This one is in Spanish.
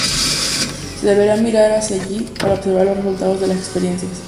Se deberá mirar hacia allí para observar los resultados de las experiencias.